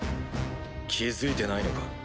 気付いてないのか？